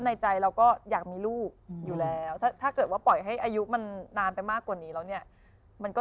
นี่คุณเกิดวันเดียวกับฉันเลยนะคะ